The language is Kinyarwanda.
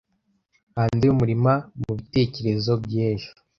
Hanze y'umurima mubitekerezo by'ejo.